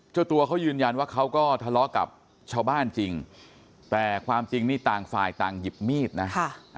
เจ้าตัวเขายืนยันว่าเขาก็ทะเลาะกับชาวบ้านจริงแต่ความจริงนี่ต่างฝ่ายต่างหยิบมีดนะ